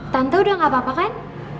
tante udah gak apa apa kan